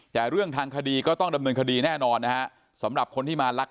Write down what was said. แต่เรื่องทางคดีก็ต้องดำเนินคดีแน่นอนนะฮะสำหรับคนที่มาลัก